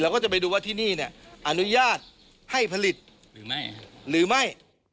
เราก็จะไปดูว่าที่นี่เนี่ยอนุญาตให้ผลิตหรือไม่